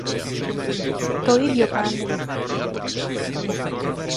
Το ίδιο κάνει.